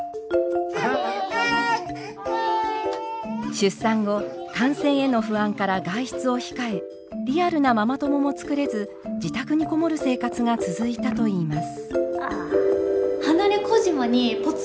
出産後感染への不安から外出を控えリアルなママ友も作れず自宅にこもる生活が続いたといいます。